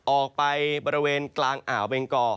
ออกไปบริเวณกลางอ่าวเบงกอ